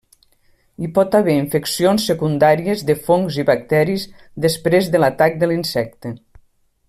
Hi pot haver infeccions secundàries de fongs i bacteris després de l'atac de l'insecte.